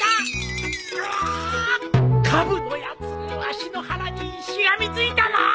うわあカブのやつわしの腹にしがみついたな